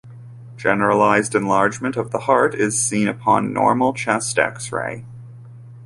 Generalized enlargement of the heart is seen upon normal chest X-ray.